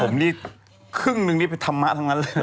ผมนี่ครึ่งนึงนี่เป็นธรรมะทั้งนั้นเลย